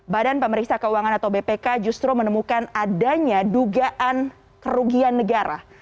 badan pemeriksa keuangan atau bpk justru menemukan adanya dugaan kerugian negara